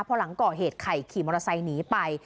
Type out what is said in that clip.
พอหลังก่อเหตุไข่ขี่มอเตอร์ไซค์หนีไป